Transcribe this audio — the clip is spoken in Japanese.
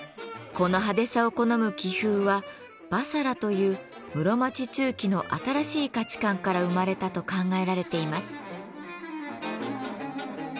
この派手さを好む気風は婆娑羅という室町中期の新しい価値観から生まれたと考えられています。